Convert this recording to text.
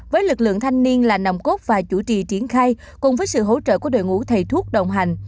với lực lượng thanh niên là nồng cốt và chủ trì triển khai cùng với sự hỗ trợ của đội ngũ thầy thuốc đồng hành